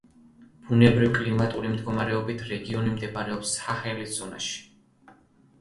ბუნებრივ-კლიმატური მდგომარეობით რეგიონი მდებარეობს საჰელის ზონაში.